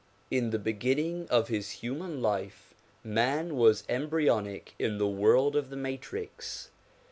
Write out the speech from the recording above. ^ In the beginning of his human life man was embryonic in the world of the matrix.